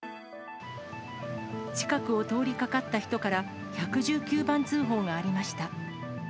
近くを通りかかった人から、１１９番通報がありました。